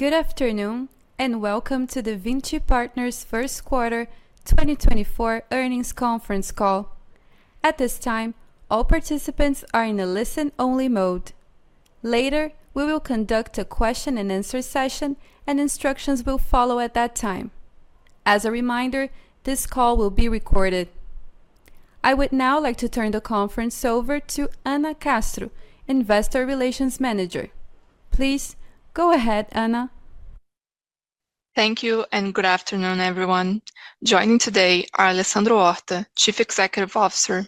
Good afternoon and welcome to the Vinci Partners Q1 2024 Earnings Conference Call. At this time, all participants are in a listen-only mode. Later, we will conduct a question-and-answer session and instructions will follow at that time. As a reminder, this call will be recorded. I would now like to turn the conference over to Anna Castro, Investor Relations Manager. Please go ahead, Anna. Thank you and good afternoon, everyone. Joining today are Alessandro Horta, Chief Executive Officer,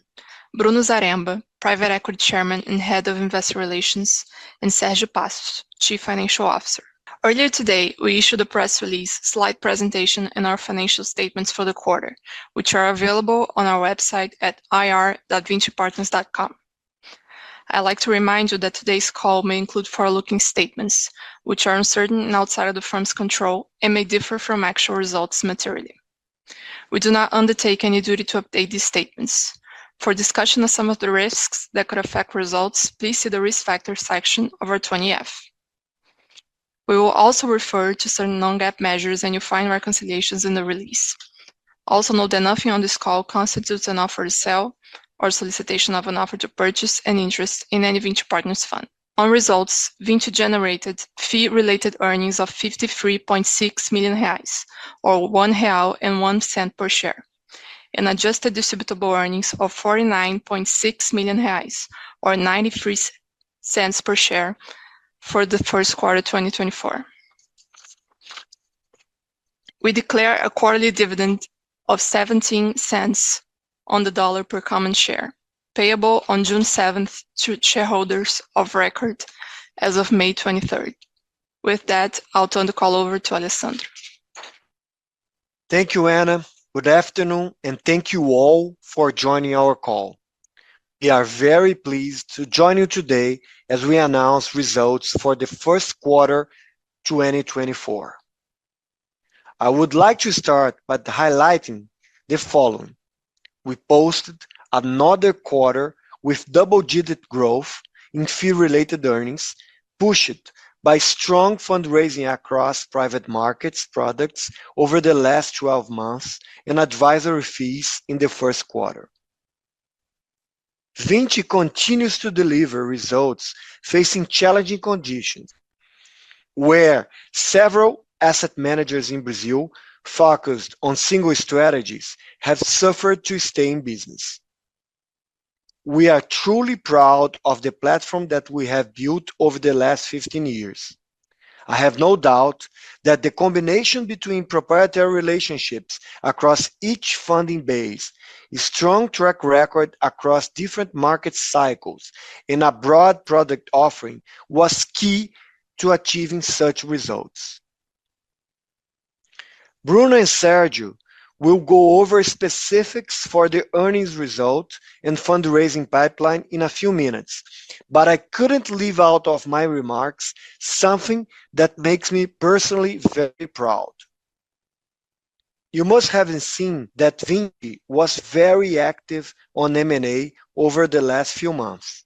Bruno Zaremba, Private Equity Chairman and Head of Investor Relations, and Sérgio Passos, Chief Financial Officer. Earlier today, we issued a press release, slide presentation, and our financial statements for the quarter, which are available on our website at ir.vincipartners.com. I'd like to remind you that today's call may include forward-looking statements, which are uncertain and outside of the firm's control and may differ from actual results materially. We do not undertake any duty to update these statements. For discussion of some of the risks that could affect results, please see the Risk Factors section of our 20F. We will also refer to certain non-GAAP measures and you'll find reconciliations in the release. Also note that nothing on this call constitutes an offer to sell or solicitation of an offer to purchase an interest in any Vinci Partners fund. On results, Vinci generated fee-related earnings of 53.6 million reais, or 1.01 real per share, and adjusted distributable earnings of 49.6 million reais, or 0.93 per share, for the Q1 2024. We declare a quarterly dividend of 0.17 on the dollar per common share, payable on June 7th to shareholders of record as of May 23rd. With that, I'll turn the call over to Alessandro. Thank you, Anna. Good afternoon and thank you all for joining our call. We are very pleased to join you today as we announce results for the Q1 2024. I would like to start by highlighting the following: we posted another quarter with double-digit growth in fee-related earnings, pushed by strong fundraising across private markets products over the last 12 months and advisory fees in the Q1. Vinci continues to deliver results facing challenging conditions, where several asset managers in Brazil focused on single strategies have suffered to stay in business. We are truly proud of the platform that we have built over the last 15 years. I have no doubt that the combination between proprietary relationships across each funding base, strong track record across different market cycles, and a broad product offering was key to achieving such results. Bruno and Sérgio will go over specifics for the earnings result and fundraising pipeline in a few minutes, but I couldn't leave out of my remarks something that makes me personally very proud. You must have seen that Vinci was very active on M&A over the last few months.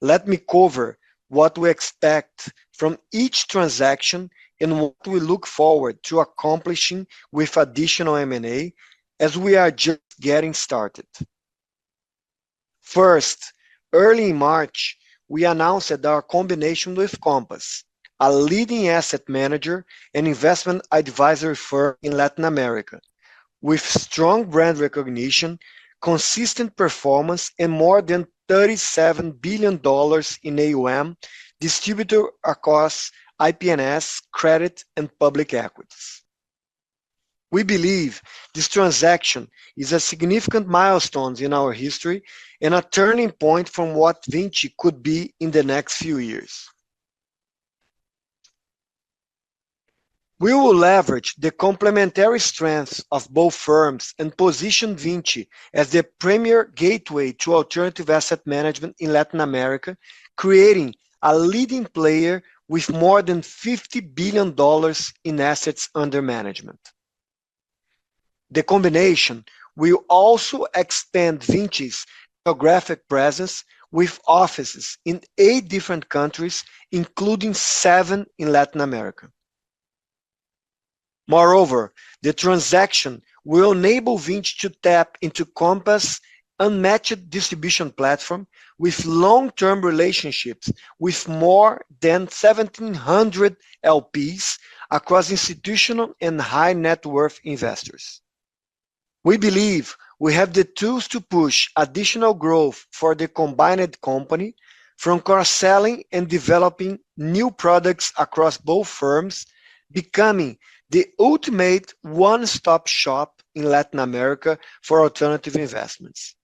Let me cover what we expect from each transaction and what we look forward to accomplishing with additional M&A as we are just getting started. First, early in March, we announced that our combination with Compass, a leading asset manager and investment advisory firm in Latin America, with strong brand recognition, consistent performance, and more than $37 billion in AUM distributed across IPNS, credit, and public equities. We believe this transaction is a significant milestone in our history and a turning point from what Vinci could be in the next few years. We will leverage the complementary strengths of both firms and position Vinci as the premier gateway to alternative asset management in Latin America, creating a leading player with more than $50 billion in assets under management. The combination will also extend Vinci's geographic presence with offices in eight different countries, including seven in Latin America. Moreover, the transaction will enable Vinci to tap into Compass's unmatched distribution platform with long-term relationships with more than 1,700 LPs across institutional and high-net-worth investors. We believe we have the tools to push additional growth for the combined company from cross-selling and developing new products across both firms, becoming the ultimate one-stop shop in Latin America for alternative investments.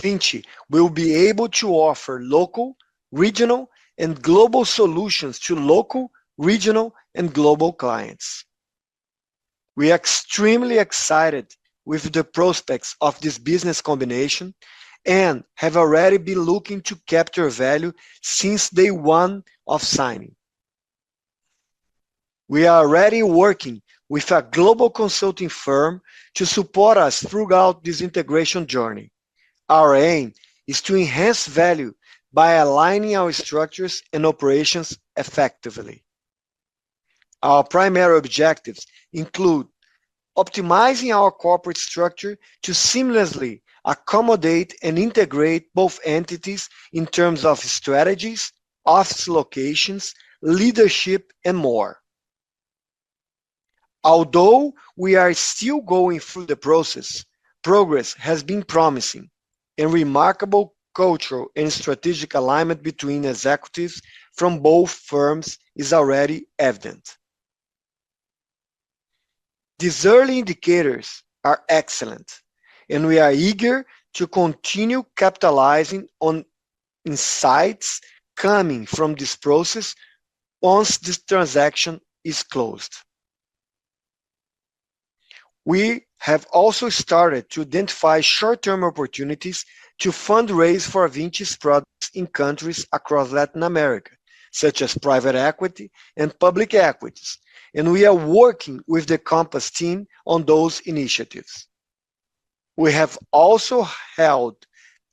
Vinci will be able to offer local, regional, and global solutions to local, regional, and global clients. We are extremely excited with the prospects of this business combination and have already been looking to capture value since day one of signing. We are already working with a global consulting firm to support us throughout this integration journey. Our aim is to enhance value by aligning our structures and operations effectively. Our primary objectives include optimizing our corporate structure to seamlessly accommodate and integrate both entities in terms of strategies, office locations, leadership, and more. Although we are still going through the process, progress has been promising, and remarkable cultural and strategic alignment between executives from both firms is already evident. These early indicators are excellent, and we are eager to continue capitalizing on insights coming from this process once this transaction is closed. We have also started to identify short-term opportunities to fundraise for Vinci's products in countries across Latin America, such as private equity and public equities, and we are working with the Compass team on those initiatives. We have also held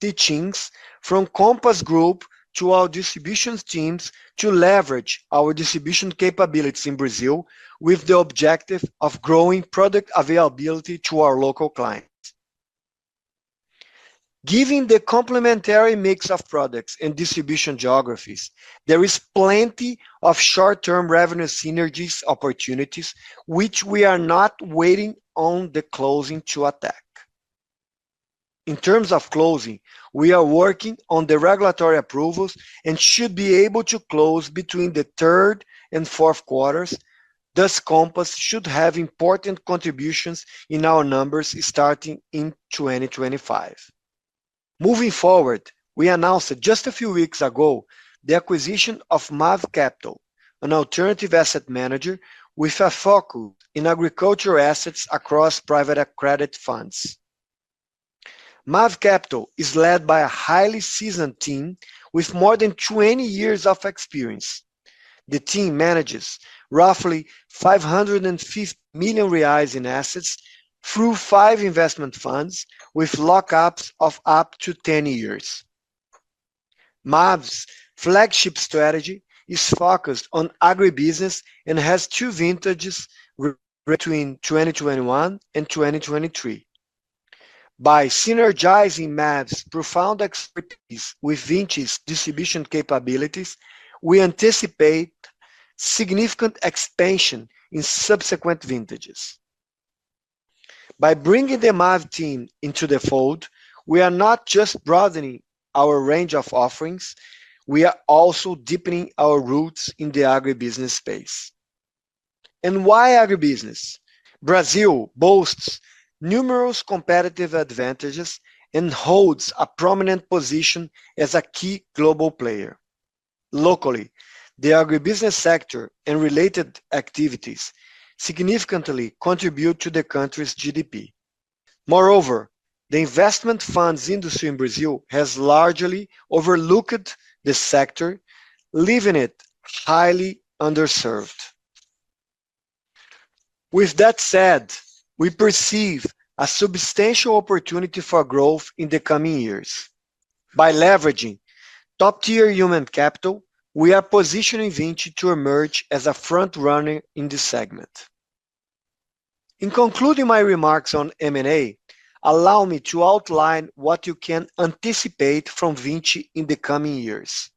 teachings from Compass Group to our distribution teams to leverage our distribution capabilities in Brazil with the objective of growing product availability to our local clients. Given the complementary mix of products and distribution geographies, there is plenty of short-term revenue synergy opportunities, which we are not waiting on the closing to attack. In terms of closing, we are working on the regulatory approvals and should be able to close between the third and Q4s. Thus, Compass should have important contributions in our numbers starting in 2025. Moving forward, we announced just a few weeks ago the acquisition of Mav Capital, an alternative asset manager with a focus in agricultural assets across private credit funds. Mav Capital is led by a highly seasoned team with more than 20 years of experience. The team manages roughly 550 million reais in assets through five investment funds with lock-ups of up to 10 years. Mav's flagship strategy is focused on agribusiness and has two vintages between 2021 and 2023. By synergizing Mav's profound expertise with Vinci's distribution capabilities, we anticipate significant expansion in subsequent vintages. By bringing the Mav team into the fold, we are not just broadening our range of offerings. We are also deepening our roots in the agribusiness space. Why agribusiness? Brazil boasts numerous competitive advantages and holds a prominent position as a key global player. Locally, the agribusiness sector and related activities significantly contribute to the country's GDP. Moreover, the investment funds industry in Brazil has largely overlooked the sector, leaving it highly underserved. With that said, we perceive a substantial opportunity for growth in the coming years. By leveraging top-tier human capital, we are positioning Vinci to emerge as a front-runner in this segment. In concluding my remarks on M&A, allow me to outline what you can anticipate from Vinci in the coming years.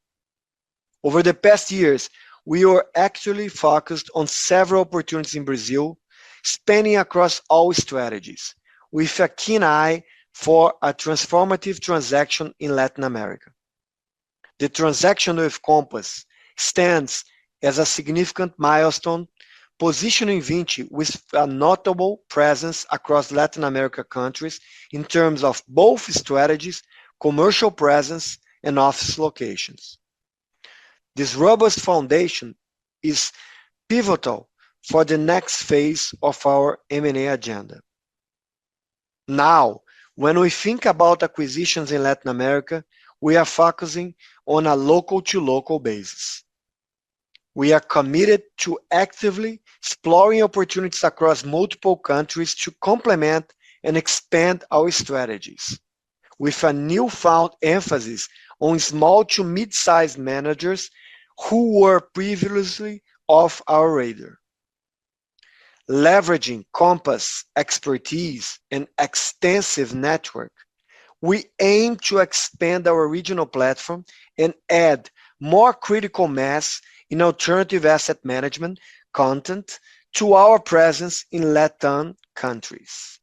Over the past years, we were actually focused on several opportunities in Brazil, spanning across all strategies, with a keen eye for a transformative transaction in Latin America. The transaction with Compass stands as a significant milestone, positioning Vinci with a notable presence across Latin America countries in terms of both strategies, commercial presence, and office locations. This robust foundation is pivotal for the next phase of our M&A agenda. Now, when we think about acquisitions in Latin America, we are focusing on a local-to-local basis. We are committed to actively exploring opportunities across multiple countries to complement and expand our strategies, with a newfound emphasis on small-to-mid-sized managers who were previously off our radar. Leveraging Compass's expertise and extensive network, we aim to expand our regional platform and add more critical mass in alternative asset management content to our presence in Latin countries.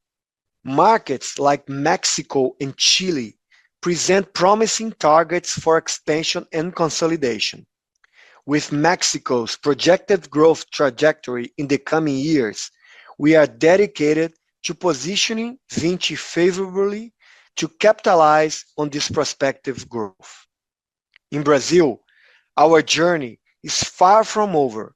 Markets like Mexico and Chile present promising targets for expansion and consolidation. With Mexico's projected growth trajectory in the coming years, we are dedicated to positioning Vinci favorably to capitalize on this prospective growth. In Brazil, our journey is far from over.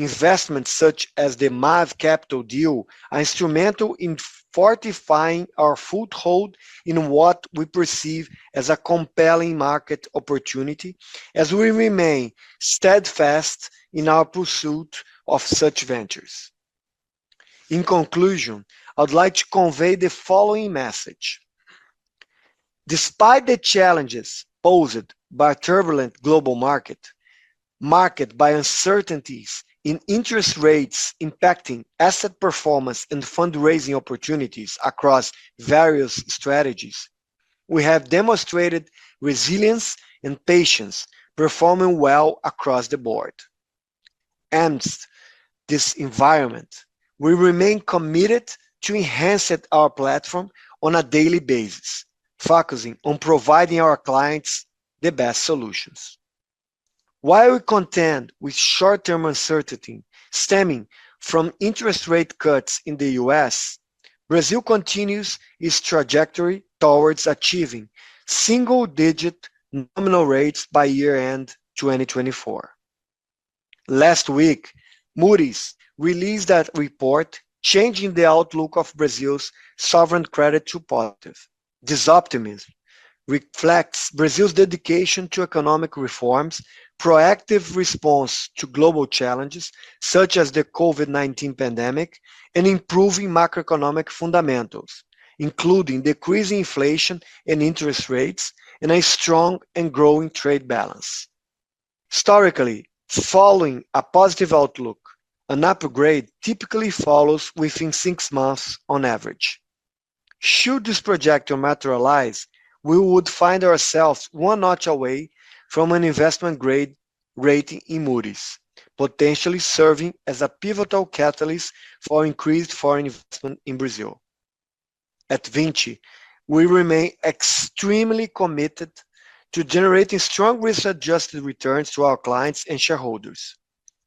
Investments such as the Mav Capital deal are instrumental in fortifying our foothold in what we perceive as a compelling market opportunity, as we remain steadfast in our pursuit of such ventures. In conclusion, I'd like to convey the following message: Despite the challenges posed by a turbulent global market, marked by uncertainties in interest rates impacting asset performance and fundraising opportunities across various strategies, we have demonstrated resilience and patience, performing well across the board. Amidst this environment, we remain committed to enhancing our platform on a daily basis, focusing on providing our clients the best solutions. While we contend with short-term uncertainty stemming from interest rate cuts in the U.S., Brazil continues its trajectory towards achieving single-digit nominal rates by year-end 2024. Last week, Moody's released a report changing the outlook of Brazil's sovereign credit to supportive. This optimism reflects Brazil's dedication to economic reforms, proactive response to global challenges such as the COVID-19 pandemic, and improving macroeconomic fundamentals, including decreasing inflation and interest rates, and a strong and growing trade balance. Historically, following a positive outlook, an upgrade typically follows within six months, on average. Should this projection materialize, we would find ourselves one notch away from an investment-grade rating in Moody's, potentially serving as a pivotal catalyst for increased foreign investment in Brazil. At Vinci, we remain extremely committed to generating strong risk-adjusted returns to our clients and shareholders.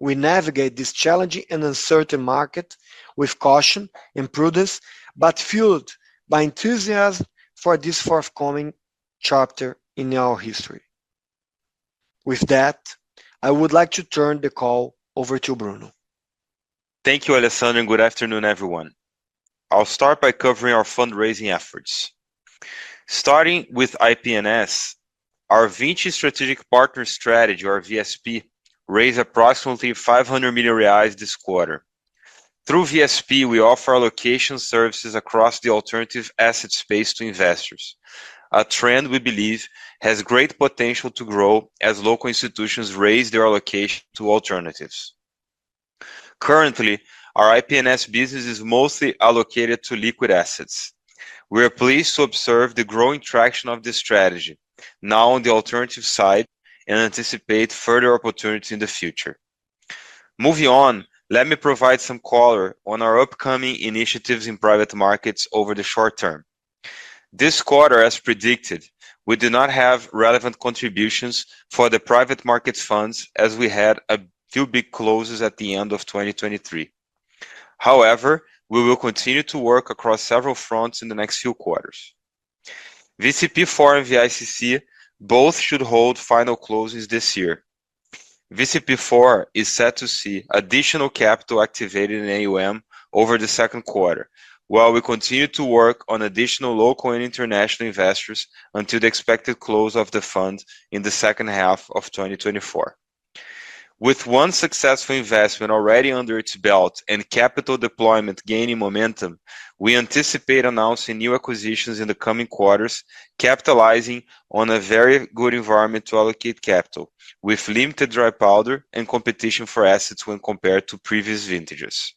We navigate this challenging and uncertain market with caution and prudence, but fueled by enthusiasm for this forthcoming chapter in our history. With that, I would like to turn the call over to Bruno. Thank you, Alessandro, and good afternoon, everyone. I'll start by covering our fundraising efforts. Starting with IPNS, our Vinci Strategic Partner Strategy, or VSP, raised approximately 500 million reais this quarter. Through VSP, we offer allocation services across the alternative asset space to investors, a trend we believe has great potential to grow as local institutions raise their allocation to alternatives. Currently, our IPNS business is mostly allocated to liquid assets. We are pleased to observe the growing traction of this strategy now on the alternative side and anticipate further opportunities in the future. Moving on, let me provide some color on our upcoming initiatives in private markets over the short term. This quarter, as predicted, we did not have relevant contributions for the private markets funds as we had a few big closes at the end of 2023. However, we will continue to work across several fronts in the next few quarters. VCP4 and VICC both should hold final closes this year. VCP4 is set to see additional capital activated in AUM over the Q2, while we continue to work on additional local and international investors until the expected close of the fund in the second half of 2024. With one successful investment already under its belt and capital deployment gaining momentum, we anticipate announcing new acquisitions in the coming quarters, capitalizing on a very good environment to allocate capital, with limited dry powder and competition for assets when compared to previous vintages.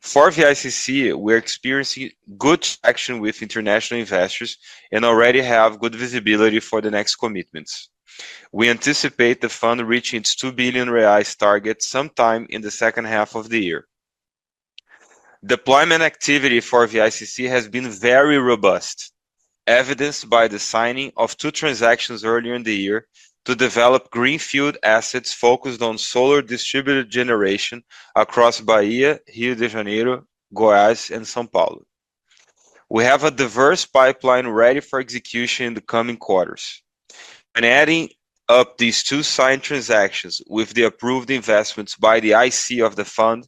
For VICC, we are experiencing good traction with international investors and already have good visibility for the next commitments. We anticipate the fund reaching its 2 billion reais target sometime in the second half of the year. Deployment activity for VICC has been very robust, evidenced by the signing of 2 transactions earlier in the year to develop greenfield assets focused on solar distributed generation across Bahia, Rio de Janeiro, Goiás, and São Paulo. We have a diverse pipeline ready for execution in the coming quarters. When adding up these 2 signed transactions with the approved investments by the IC of the fund,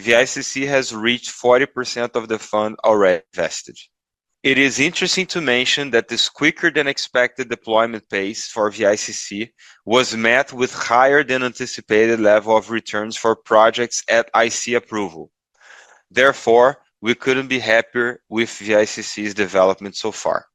VICC has reached 40% of the fund already invested. It is interesting to mention that this quicker-than-expected deployment pace for VICC was met with a higher-than-anticipated level of returns for projects at IC approval. Therefore, we couldn't be happier with VICC's development so far.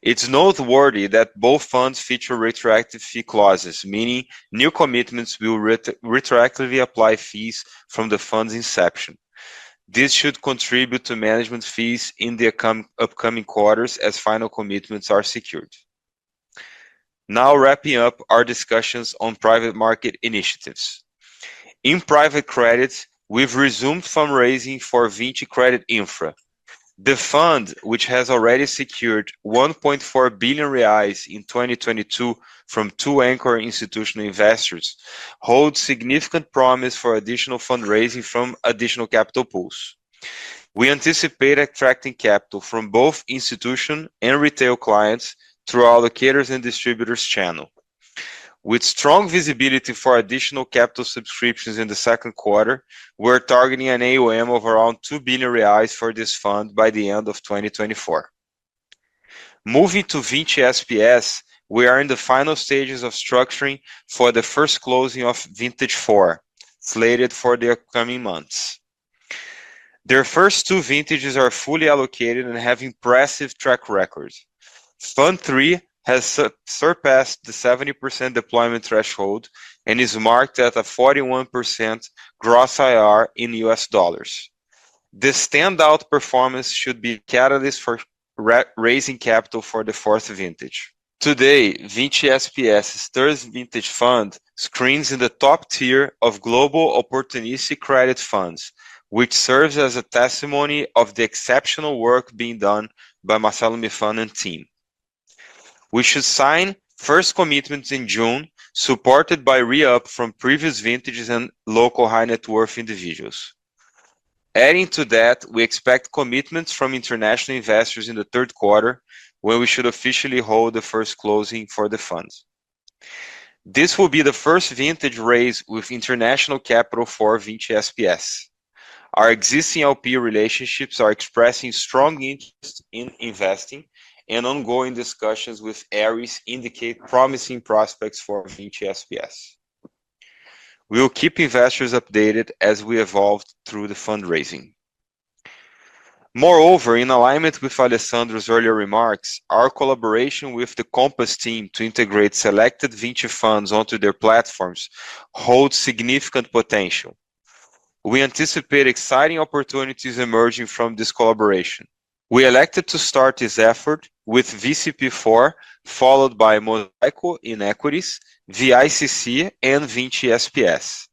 It's noteworthy that both funds feature retroactive fee clauses, meaning new commitments will retroactively apply fees from the fund's inception. This should contribute to management fees in the upcoming quarters as final commitments are secured. Now, wrapping up our discussions on private market initiatives. In private credit, we've resumed fundraising for Vinci Credit Infra. The fund, which has already secured 1.4 billion reais in 2022 from two anchor institutional investors, holds significant promise for additional fundraising from additional capital pools. We anticipate attracting capital from both institutional and retail clients through our allocators and distributors channel. With strong visibility for additional capital subscriptions in the Q2, we're targeting an AUM of around 2 billion reais for this fund by the end of 2024. Moving to Vinci SPS, we are in the final stages of structuring for the first closing of Vintage 4, slated for the upcoming months. Their first two vintages are fully allocated and have impressive track records. Fund 3 has surpassed the 70% deployment threshold and is marked at a 41% gross IR in U.S. dollars. This standout performance should be a catalyst for raising capital for the fourth vintage. Today, Vinci SPS's third vintage fund screens in the top tier of global opportunistic credit funds, which serves as a testimony of the exceptional work being done by Marcelo Mifan and team. We should sign first commitments in June, supported by re-up from previous vintages and local high-net-worth individuals. Adding to that, we expect commitments from international investors in the Q3, when we should officially hold the first closing for the funds. This will be the first vintage raise with international capital for Vinci SPS. Our existing LP relationships are expressing strong interest in investing, and ongoing discussions with ARIS indicate promising prospects for Vinci SPS. We'll keep investors updated as we evolve through the fundraising. Moreover, in alignment with Alessandro's earlier remarks, our collaboration with the Compass team to integrate selected Vinci funds onto their platforms holds significant potential. We anticipate exciting opportunities emerging from this collaboration. We elected to start this effort with VCP4, followed by Mosaico in Equities, VICC, and Vinci SPS.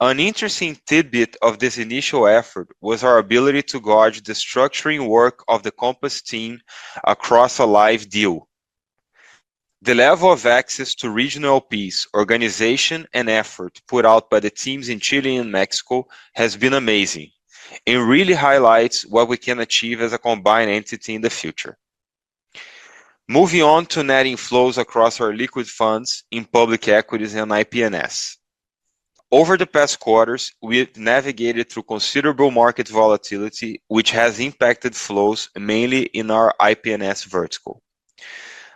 An interesting tidbit of this initial effort was our ability to gauge the structuring work of the Compass team across a live deal. The level of access to regional LPs, organization, and effort put out by the teams in Chile and Mexico has been amazing and really highlights what we can achieve as a combined entity in the future. Moving on to netting flows across our liquid funds in public equities and IPNS. Over the past quarters, we've navigated through considerable market volatility, which has impacted flows mainly in our IPNS vertical.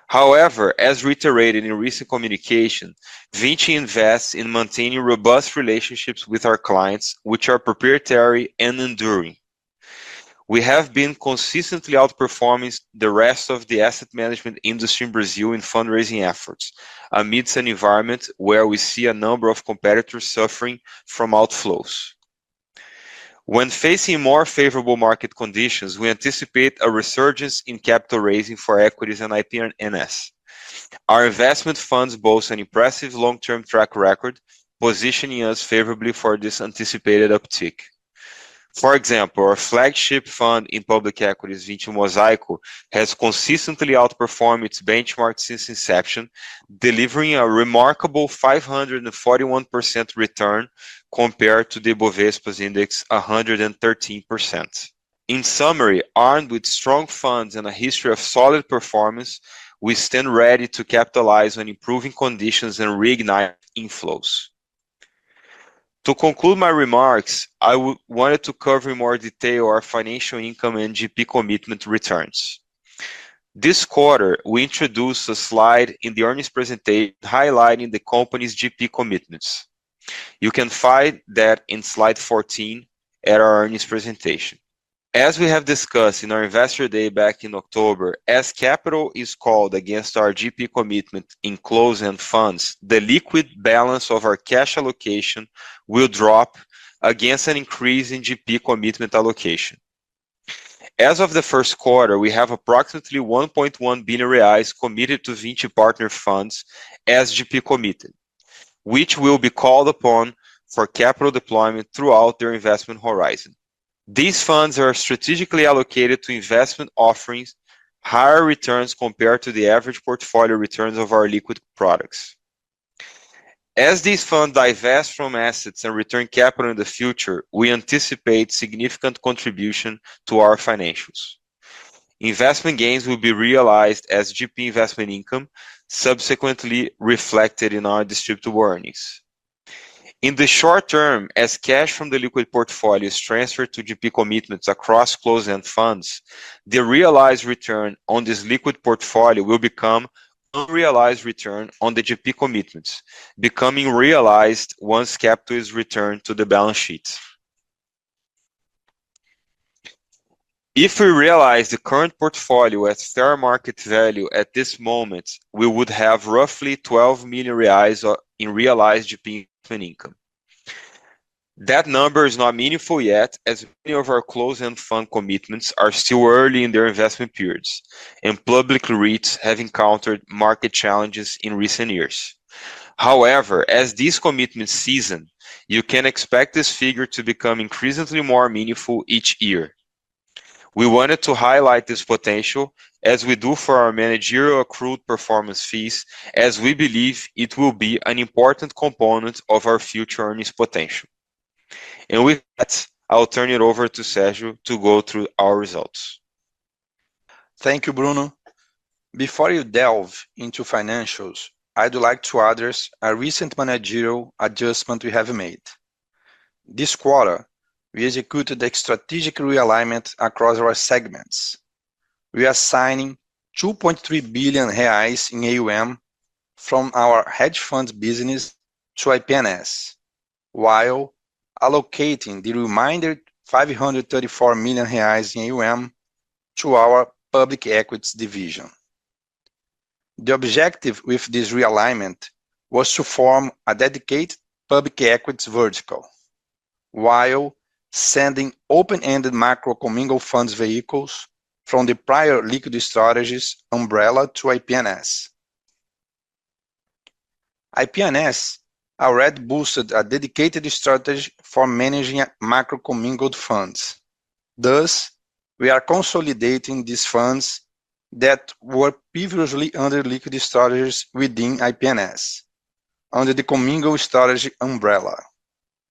However, as reiterated in recent communication, Vinci invests in maintaining robust relationships with our clients, which are proprietary and enduring. We have been consistently outperforming the rest of the asset management industry in Brazil in fundraising efforts, amidst an environment where we see a number of competitors suffering from outflows. When facing more favorable market conditions, we anticipate a resurgence in capital raising for equities and IPNS. Our investment funds boast an impressive long-term track record, positioning us favorably for this anticipated uptick. For example, our flagship fund in public equities, Vinci Mosaico, has consistently outperformed its benchmark since inception, delivering a remarkable 541% return compared to the Bovespa Index, 113%. In summary, armed with strong funds and a history of solid performance, we stand ready to capitalize on improving conditions and reignite inflows. To conclude my remarks, I wanted to cover in more detail our financial income and GP commitment returns. This quarter, we introduced a slide in the earnings presentation highlighting the company's GP commitments. You can find that in slide 14 at our earnings presentation. As we have discussed in our investor day back in October, as capital is called against our GP commitment in closing funds, the liquid balance of our cash allocation will drop against an increase in GP commitment allocation. As of the Q1, we have approximately 1.1 billion reais committed to Vinci Partners Funds as GP committed, which will be called upon for capital deployment throughout their investment horizon. These funds are strategically allocated to investment offerings with higher returns compared to the average portfolio returns of our liquid products. As these funds divest from assets and return capital in the future, we anticipate significant contribution to our financials. Investment gains will be realized as GP investment income, subsequently reflected in our distributable earnings. In the short term, as cash from the liquid portfolio is transferred to GP commitments across closing funds, the realized return on this liquid portfolio will become unrealized return on the GP commitments, becoming realized once capital is returned to the balance sheet. If we realize the current portfolio at fair market value at this moment, we would have roughly 12 million reais in realized GP income. That number is not meaningful yet, as many of our closing fund commitments are still early in their investment periods and public REITs have encountered market challenges in recent years. However, as this commitment season, you can expect this figure to become increasingly more meaningful each year. We wanted to highlight this potential, as we do for our managerial accrued performance fees, as we believe it will be an important component of our future earnings potential. And with that, I'll turn it over to Sergio to go through our results. Thank you, Bruno. Before you delve into financials, I'd like to address a recent managerial adjustment we have made. This quarter, we executed a strategic realignment across our segments. We are signing 2.3 billion reais in AUM from our hedge fund business to IPNS, while allocating the remainder of 534 million reais in AUM to our public equities division. The objective with this realignment was to form a dedicated public equities vertical, while sending open-ended macro-commingled funds vehicles from the prior liquid strategies umbrella to IPNS. IPNS already boosted a dedicated strategy for managing macro-commingled funds. Thus, we are consolidating these funds that were previously under liquid strategies within IPNS under the commingled strategy umbrella.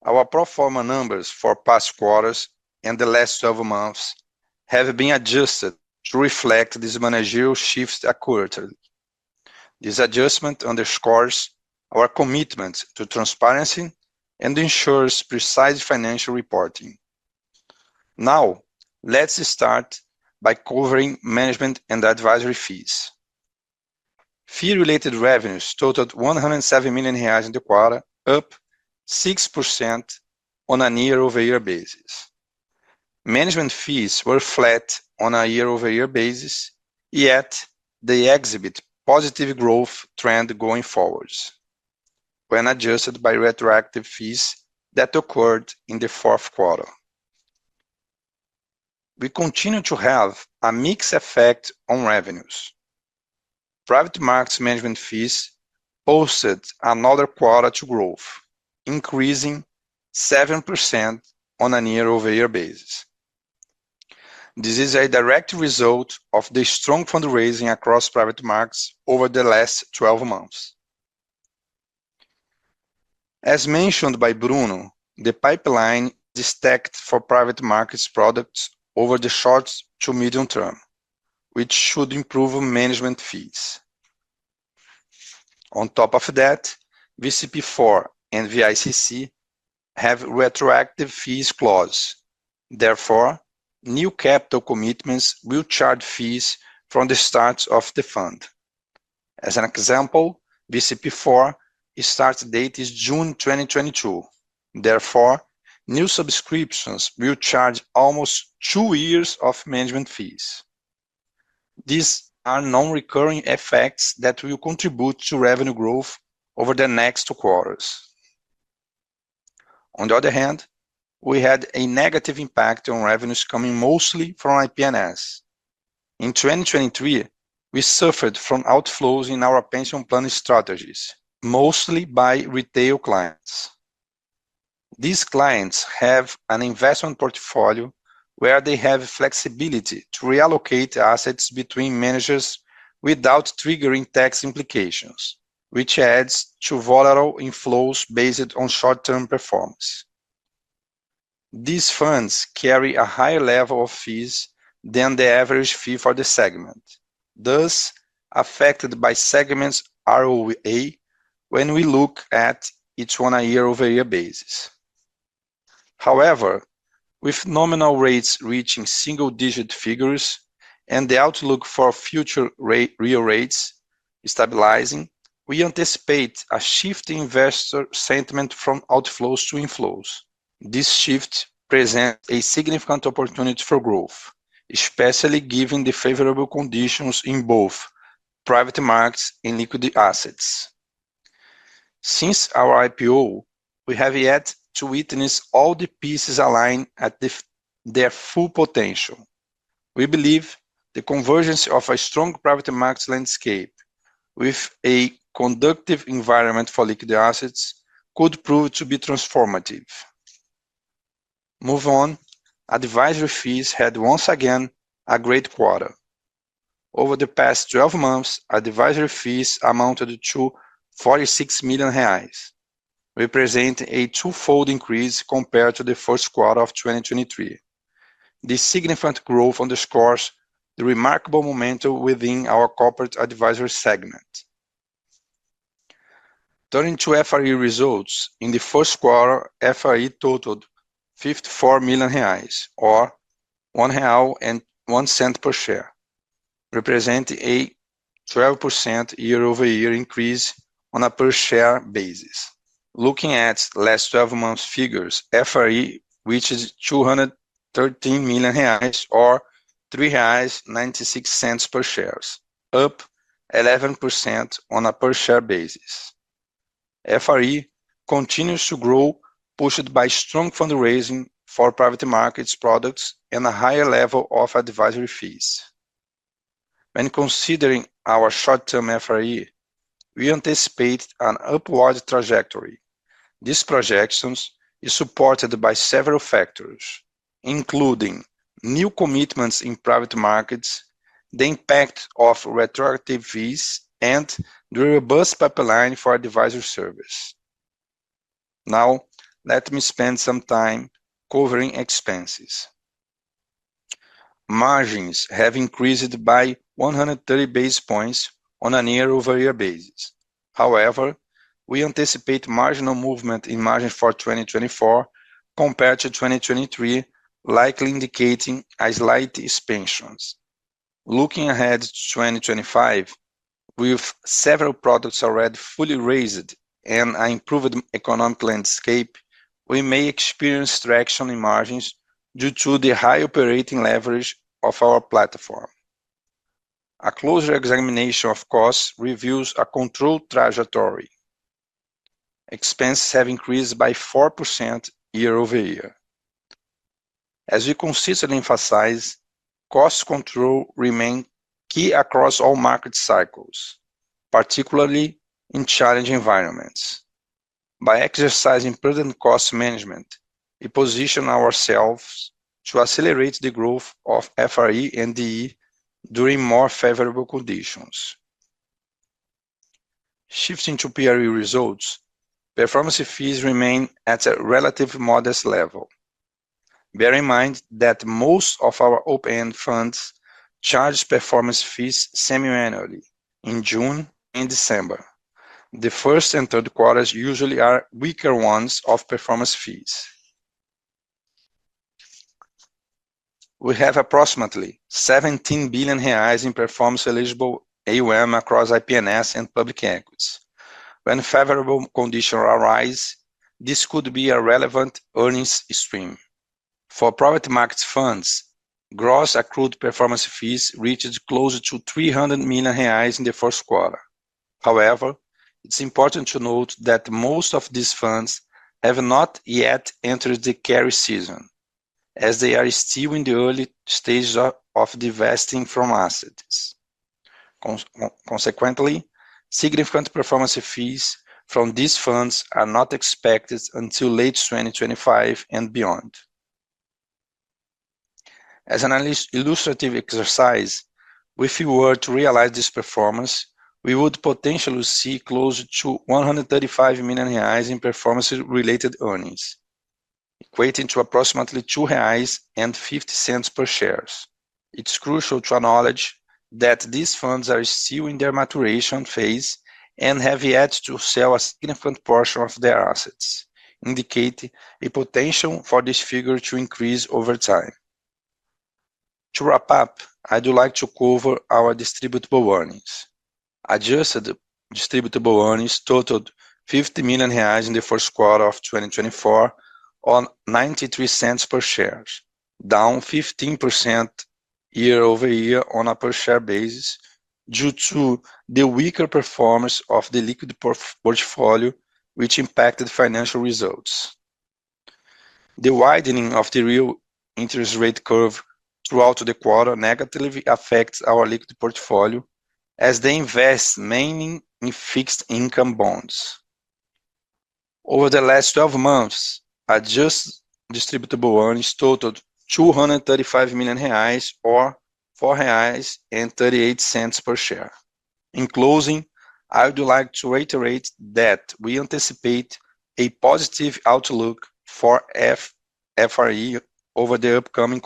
Our pro forma numbers for past quarters and the last several months have been adjusted to reflect these managerial shifts accurately. This adjustment underscores our commitment to transparency and ensures precise financial reporting. Now, let's start by covering management and advisory fees. Fee-related revenues totaled 107 million reais in the quarter, up 6% on a year-over-year basis. Management fees were flat on a year-over-year basis, yet they exhibit a positive growth trend going forward when adjusted by retroactive fees that occurred in the Q4. We continue to have a mixed effect on revenues. Private markets management fees posted another quarter to growth, increasing 7% on a year-over-year basis. This is a direct result of the strong fundraising across private markets over the last 12 months. As mentioned by Bruno, the pipeline is stacked for private markets products over the short to medium term, which should improve management fees. On top of that, VCP4 and VICC have retroactive fees clauses. Therefore, new capital commitments will charge fees from the start of the fund. As an example, VCP4's start date is June 2022. Therefore, new subscriptions will charge almost two years of management fees. These are non-recurring effects that will contribute to revenue growth over the next two quarters. On the other hand, we had a negative impact on revenues coming mostly from IPNS. In 2023, we suffered from outflows in our pension plan strategies, mostly by retail clients. These clients have an investment portfolio where they have flexibility to reallocate assets between managers without triggering tax implications, which adds to volatile inflows based on short-term performance. These funds carry a higher level of fees than the average fee for the segment, thus affected by segment ROA when we look at each one on a year-over-year basis. However, with nominal rates reaching single-digit figures and the outlook for future real rates stabilizing, we anticipate a shift in investor sentiment from outflows to inflows. This shift presents a significant opportunity for growth, especially given the favorable conditions in both private markets and liquid assets. Since our IPO, we have yet to witness all the pieces align at their full potential. We believe the convergence of a strong private markets landscape with a conducive environment for liquid assets could prove to be transformative. Moving on, advisory fees had once again a great quarter. Over the past 12 months, advisory fees amounted to 46 million reais, representing a twofold increase compared to the Q1 of 2023. This significant growth underscores the remarkable momentum within our corporate advisory segment. Turning to FRE results, in the Q1, FRE totaled 54 million reais or 1.01 real per share, representing a 12% year-over-year increase on a per-share basis. Looking at last 12 months' figures, FRE reached 213 million reais or 3.96 reais per share, up 11% on a per-share basis. FRE continues to grow, pushed by strong fundraising for private markets products and a higher level of advisory fees. When considering our short-term FRE, we anticipate an upward trajectory. These projections are supported by several factors, including new commitments in private markets, the impact of retroactive fees, and the robust pipeline for advisory service. Now, let me spend some time covering expenses. Margins have increased by 130 basis points on a year-over-year basis. However, we anticipate marginal movement in margins for 2024 compared to 2023, likely indicating slight expansions. Looking ahead to 2025, with several products already fully raised and an improved economic landscape, we may experience traction in margins due to the high operating leverage of our platform. A closer examination of costs reveals a controlled trajectory. Expenses have increased by 4% year-over-year. As we consistently emphasize, cost control remains key across all market cycles, particularly in challenging environments. By exercising present cost management, we position ourselves to accelerate the growth of FRE and DE during more favorable conditions. Shifting to PRE results, performance fees remain at a relatively modest level. Bear in mind that most of our open-ended funds charge performance fees semi-annually in June and December. The first and Q3s usually are weaker ones of performance fees. We have approximately 17 billion reais in performance-eligible AUM across IPNS and public equities. When favorable conditions arise, this could be a relevant earnings stream. For private markets funds, gross accrued performance fees reached close to 300 million reais in the Q1. However, it's important to note that most of these funds have not yet entered the carry season, as they are still in the early stages of divesting from assets. Consequently, significant performance fees from these funds are not expected until late 2025 and beyond. As an illustrative exercise, if we were to realize this performance, we would potentially see close to 135 million reais in performance-related earnings, equating to approximately 2.50 reais per share. It's crucial to acknowledge that these funds are still in their maturation phase and have yet to sell a significant portion of their assets, indicating a potential for this figure to increase over time. To wrap up, I'd like to cover our distributable earnings. Adjusted distributable earnings totaled 50 million reais in the Q1 of 2024 on 0.93 per share, down 15% year-over-year on a per-share basis due to the weaker performance of the liquid portfolio, which impacted financial results. The widening of the real interest rate curve throughout the quarter negatively affects our liquid portfolio, as they invest mainly in fixed income bonds. Over the last 12 months, adjusted distributable earnings totaled 235 million reais or 4.38 reais per share. In closing, I'd like to reiterate that we anticipate a positive outlook for FRE over the upcoming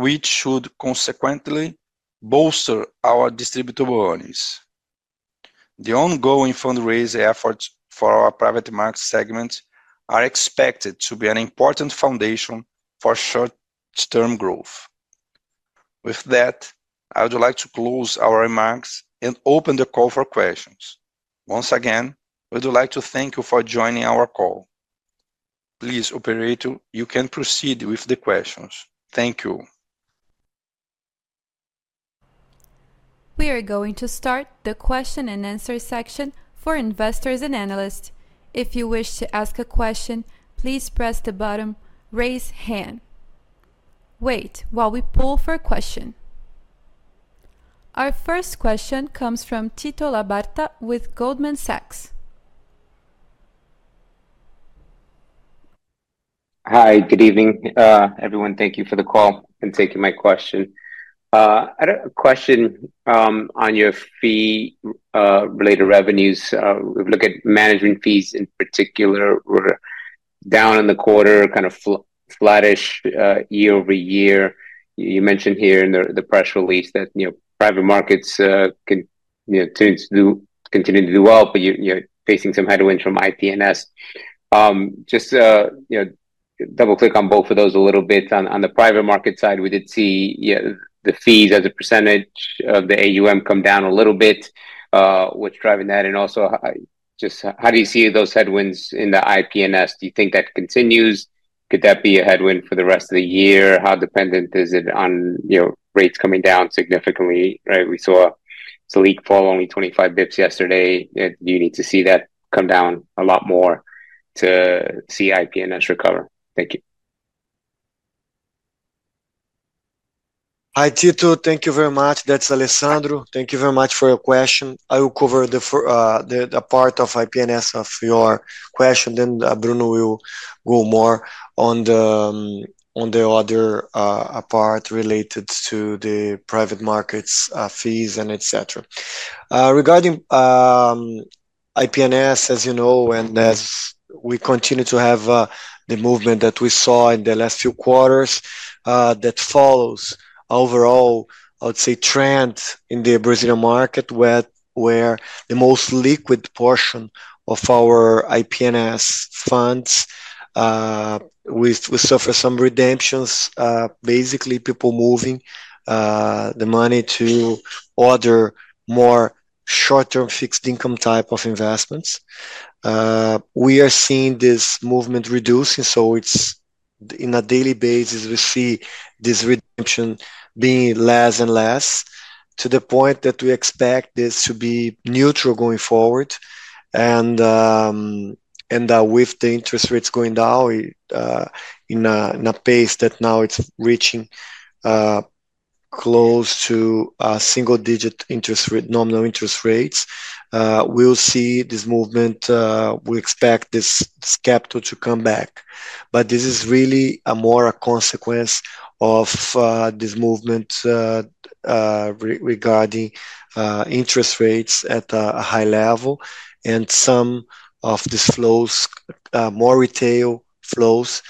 quarters, which should consequently bolster our distributable earnings. The ongoing fundraiser efforts for our private markets segment are expected to be an important foundation for short-term growth. With that, I'd like to close our remarks and open the call for questions. Once again, we'd like to thank you for joining our call. Please, Operator, you can proceed with the questions. Thank you. We are going to start the question-and-answer section for investors and analysts. If you wish to ask a question, please press the button "Raise Hand." Wait while we pull for a question. Our first question comes from Tito Labarta with Goldman Sachs. Hi, good evening, everyone. Thank you for the call and taking my question. I had a question on your fee-related revenues. We look at management fees in particular. We're down in the quarter, kind of flattish year-over-year. You mentioned here in the press release that private markets continue to do well, but you're facing some headwinds from IPNS. Just double-click on both of those a little bit. On the private market side, we did see the fees as a percentage of the AUM come down a little bit. What's driving that? And also, how do you see those headwinds in the IPNS? Do you think that continues? Could that be a headwind for the rest of the year? How dependent is it on rates coming down significantly? We saw the rate fall only 25 basis points yesterday. Do you need to see that come down a lot more to see IPNS recover? Thank you. Hi, Tito. Thank you very much. That's Alessandro. Thank you very much for your question. I will cover the part of IPNS of your question, then Bruno will go more on the other part related to the private markets fees, etc. Regarding IPNS, as you know, and as we continue to have the movement that we saw in the last few quarters that follows overall, I would say, trend in the Brazilian market where the most liquid portion of our IPNS funds suffer some redemptions, basically people moving the money to other more short-term fixed income type of investments. We are seeing this movement reducing. So on a daily basis, we see this redemption being less and less to the point that we expect this to be neutral going forward. With the interest rates going down at a pace that now it's reaching close to single-digit nominal interest rates, we'll see this movement. We expect this capital to come back. But this is really more a consequence of this movement regarding interest rates at a high level, and some of these more retail flows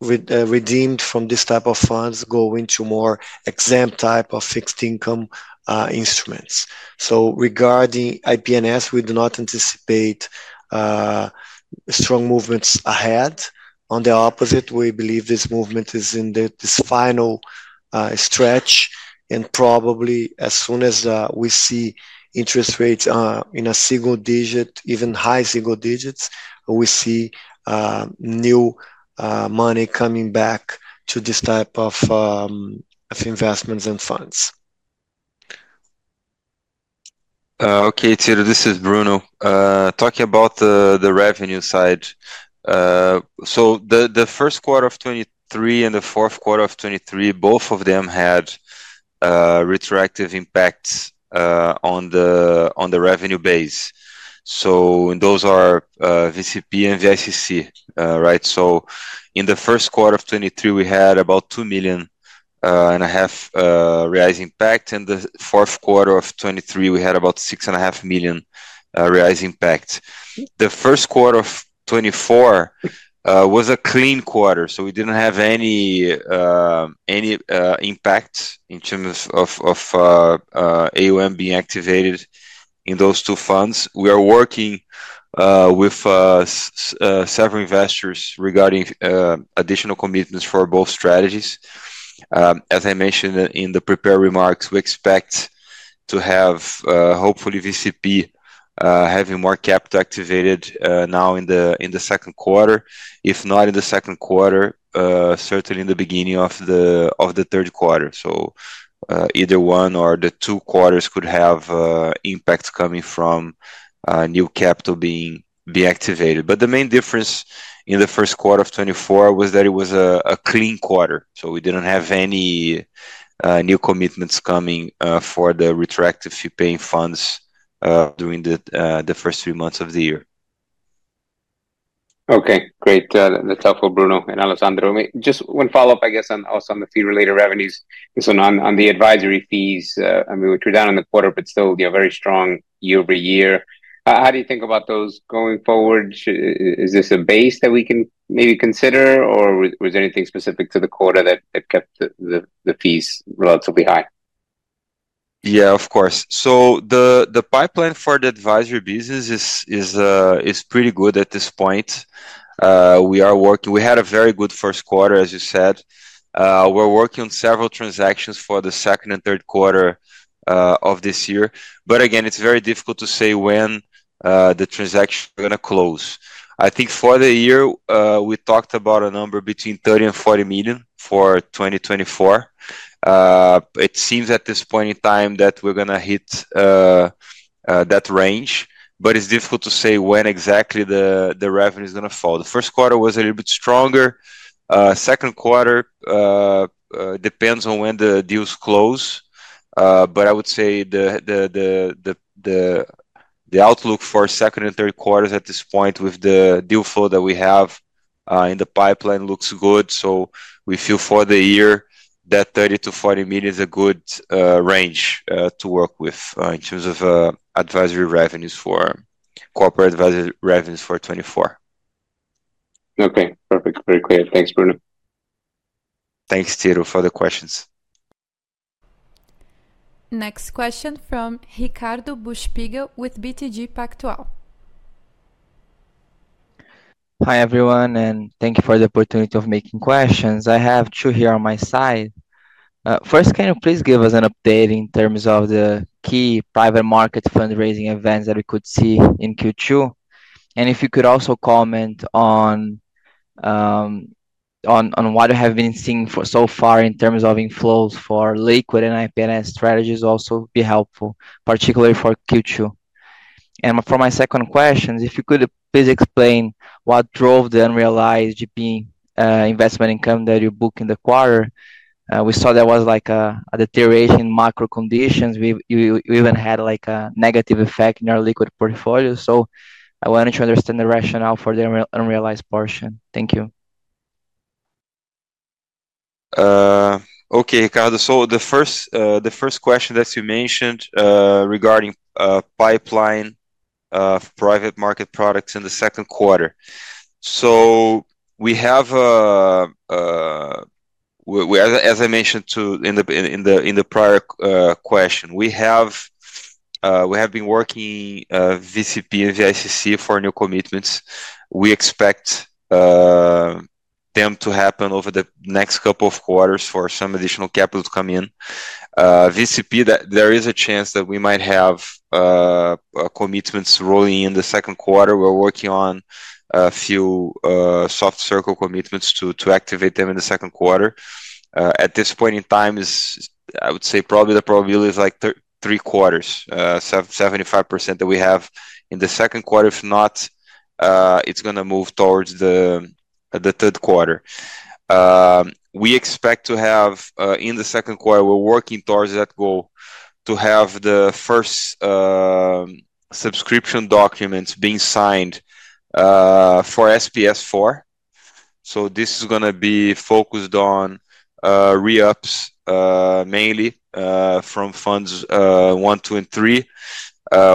redeemed from this type of funds go into more exempt type of fixed income instruments. So regarding IPNS, we do not anticipate strong movements ahead. On the opposite, we believe this movement is in this final stretch. Probably as soon as we see interest rates in a single digit, even high single digits, we see new money coming back to this type of investments and funds. Okay, Tito. This is Bruno. Talking about the revenue side. So the Q1 of 2023 and the Q4 of 2023, both of them had retractive impacts on the revenue base. So those are VCP and VICC, right? So in the Q1 of 2023, we had about 2.5 million impact. In the Q4 of 2023, we had about 6.5 million reais impact. The Q1 of 2024 was a clean quarter. So we didn't have any impact in terms of AUM being activated in those two funds. We are working with several investors regarding additional commitments for both strategies. As I mentioned in the prepared remarks, we expect to have, hopefully, VCP having more capital activated now in the Q2. If not in the Q2, certainly in the beginning of the Q3. So either one or the two quarters could have impacts coming from new capital being activated. But the main difference in the Q1 of 2024 was that it was a clean quarter. So we didn't have any new commitments coming for the retractive fee-paying funds during the first three months of the year. Okay. Great. That's helpful, Bruno and Alessandro. Just one follow-up, I guess, also on the fee-related revenues. So on the advisory fees, I mean, we were down in the quarter, but still very strong year-over-year. How do you think about those going forward? Is this a base that we can maybe consider, or was there anything specific to the quarter that kept the fees relatively high? Yeah, of course. So the pipeline for the advisory business is pretty good at this point. We had a very good Q1, as you said. We're working on several transactions for the second and Q3 of this year. But again, it's very difficult to say when the transactions are going to close. I think for the year, we talked about a number between $30 million-$40 million for 2024. It seems at this point in time that we're going to hit that range. But it's difficult to say when exactly the revenue is going to fall. The Q1 was a little bit stronger. Q2 depends on when the deals close. But I would say the outlook for second and Q3s at this point with the deal flow that we have in the pipeline looks good. We feel for the year that $30 million-$40 million is a good range to work with in terms of advisory revenues for corporate advisory revenues for 2024. Okay. Perfect. Very clear. Thanks, Bruno. Thanks, Tito, for the questions. Next question from Ricardo Buchpiguel with BTG Pactual. Hi, everyone, and thank you for the opportunity of making questions. I have two here on my side. First, can you please give us an update in terms of the key private market fundraising events that we could see in Q2? And if you could also comment on what you have been seeing so far in terms of inflows for liquid and IPNS strategies would also be helpful, particularly for Q2? And for my second question, if you could please explain what drove the unrealized GP investment income that you booked in the quarter? We saw there was a deterioration in macro conditions. We even had a negative effect in our liquid portfolio. So I wanted to understand the rationale for the unrealized portion. Thank you. Okay, Ricardo. So the first question that you mentioned regarding pipeline of private market products in the Q2. So as I mentioned in the prior question, we have been working VCP and VICC for new commitments. We expect them to happen over the next couple of quarters for some additional capital to come in. VCP, there is a chance that we might have commitments rolling in the Q2. We're working on a few soft circle commitments to activate them in the Q2. At this point in time, I would say probably the probability is 75% that we have in the Q2. If not, it's going to move towards the Q3. We expect to have in the Q2, we're working towards that goal to have the first subscription documents being signed for SPS4. So this is going to be focused on re-ups mainly from funds one, two, and three.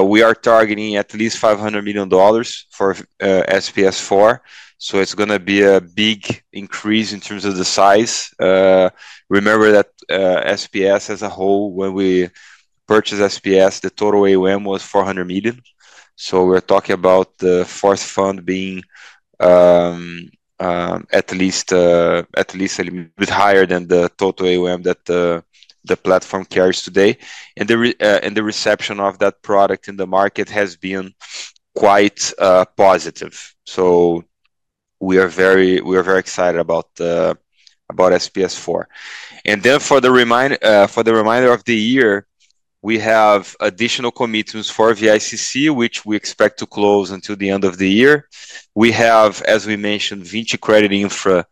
We are targeting at least $500 million for SPS4. So it's going to be a big increase in terms of the size. Remember that SPS as a whole, when we purchased SPS, the total AUM was $400 million. So we're talking about the fourth fund being at least a little bit higher than the total AUM that the platform carries today. And the reception of that product in the market has been quite positive. So we are very excited about SPS4. And then for the remainder of the year, we have additional commitments for VICC, which we expect to close until the end of the year. We have, as we mentioned, Vinci Credit Infra.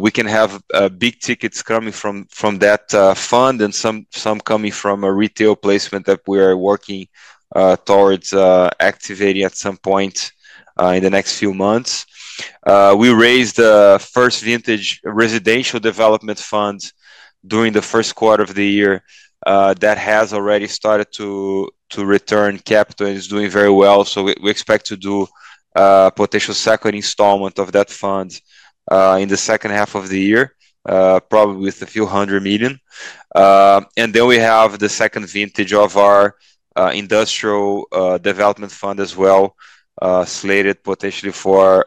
We can have big tickets coming from that fund and some coming from a retail placement that we are working towards activating at some point in the next few months. We raised the first vintage residential development fund during the Q1 of the year that has already started to return capital and is doing very well. So we expect to do a potential second installment of that fund in the second half of the year, probably with $a few hundred million. And then we have the second vintage of our industrial development fund as well, slated potentially for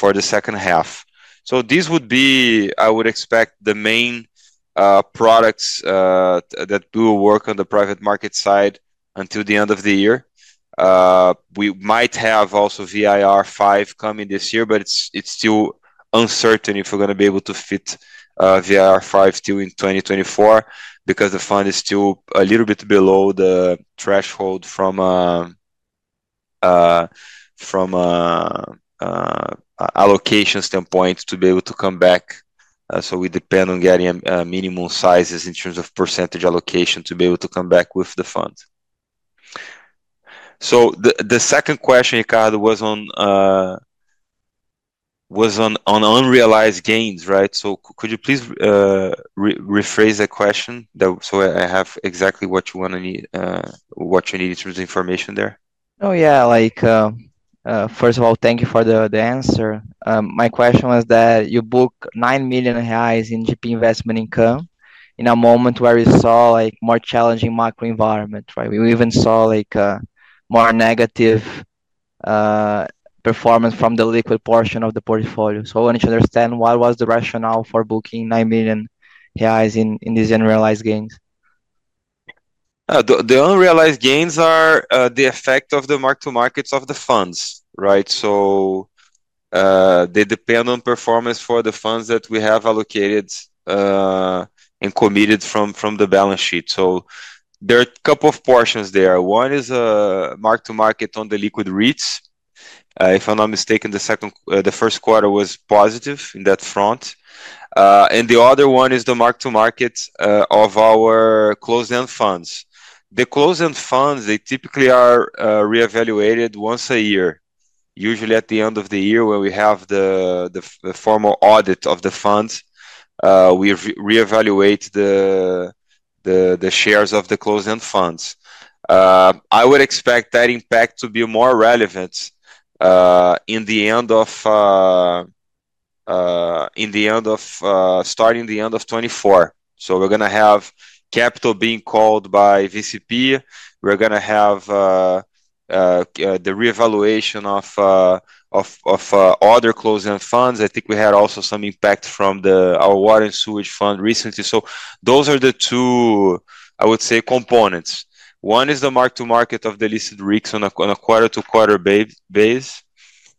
the second half. So these would be, I would expect, the main products that will work on the private market side until the end of the year. We might have also VIR5 coming this year, but it's still uncertain if we're going to be able to fit VIR5 still in 2024 because the fund is still a little bit below the threshold from allocation standpoint to be able to come back. So we depend on getting minimum sizes in terms of percentage allocation to be able to come back with the fund. So the second question, Ricardo, was on unrealized gains, right? So could you please rephrase that question so I have exactly what you need in terms of information there? Oh, yeah. First of all, thank you for the answer. My question was that you booked 9 million reais in GP investment income in a moment where we saw more challenging macro environment, right? We even saw more negative performance from the liquid portion of the portfolio. So I wanted to understand what was the rationale for booking 9 million reais in these unrealized gains? The unrealized gains are the effect of the mark-to-markets of the funds, right? So they depend on performance for the funds that we have allocated and committed from the balance sheet. So there are a couple of portions there. One is mark-to-market on the liquid REITs. If I'm not mistaken, the Q1 was positive in that front. And the other one is the mark-to-market of our closed-end funds. The closed-end funds, they typically are reevaluated once a year, usually at the end of the year when we have the formal audit of the funds. We reevaluate the shares of the closed-end funds. I would expect that impact to be more relevant in the end of starting the end of 2024. So we're going to have capital being called by VCP. We're going to have the reevaluation of other closed-end funds. I think we had also some impact from our water and sewage fund recently. Those are the two, I would say, components. One is the mark-to-market of the listed REITs on a quarter-to-quarter basis.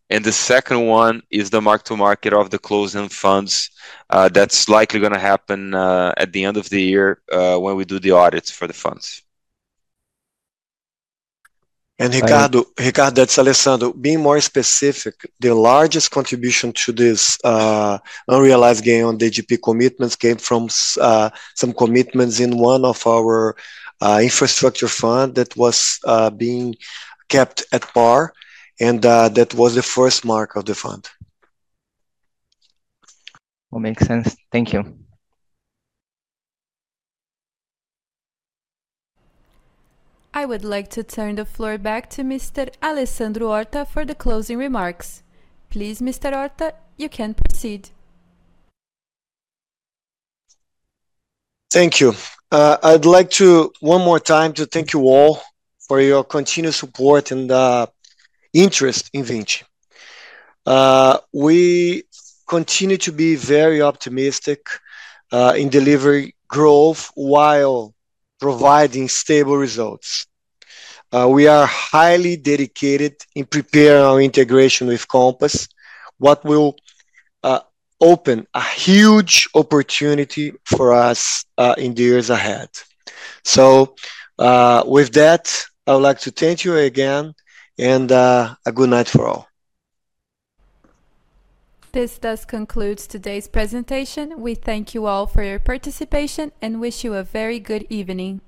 And the second one is the mark-to-market of the closed-end funds that's likely going to happen at the end of the year when we do the audits for the funds. Ricardo, that's Alessandro. Being more specific, the largest contribution to this unrealized gain on the GP commitments came from some commitments in one of our infrastructure funds that was being kept at par. That was the first mark of the fund. Well, makes sense. Thank you. I would like to turn the floor back to Mr. Alessandro Horta for the closing remarks. Please, Mr. Horta, you can proceed. Thank you. I'd like to, one more time, thank you all for your continued support and interest in Vinci. We continue to be very optimistic in delivering growth while providing stable results. We are highly dedicated in preparing our integration with Compass, what will open a huge opportunity for us in the years ahead. So with that, I would like to thank you again and a good night for all. This does conclude today's presentation. We thank you all for your participation and wish you a very good evening.